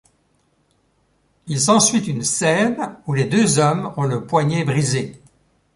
Il s'ensuit une scène où les deux hommes ont le poignet brisé.